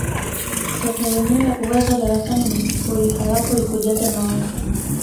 toto lenyewe uwezo darasani ni sifuri halafu likujaze mawazo